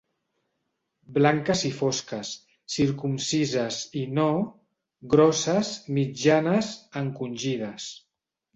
Blanques i fosques, circumcises i no, grosses, mitjanes, encongides.